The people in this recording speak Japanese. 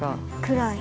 くらい。